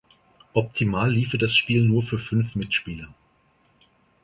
Optimal liefe das Spiel nur für fünf Mitspieler.